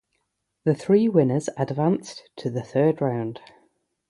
The three winners advanced to the third round.